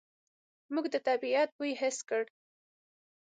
موږ د طبعیت بوی حس کړ.